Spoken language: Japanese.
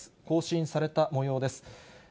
更新されたもようです。